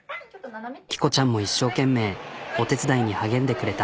きこちゃんも一生懸命お手伝いに励んでくれた。